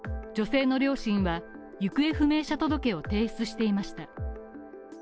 女性の両親は行方不明者届を提出していました。